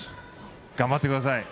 頑張ってください。